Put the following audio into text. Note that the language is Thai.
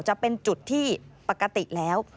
จะเป็นจุดที่ปกติแล้ว